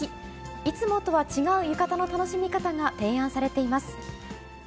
いつもとは違う浴衣の楽しみ方が提案されています。